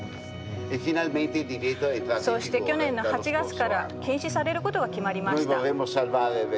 そうして去年の８月から禁止されることが決まりました。